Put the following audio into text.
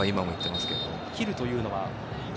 切るというのは？